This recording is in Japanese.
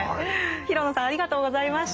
廣野さんありがとうございました。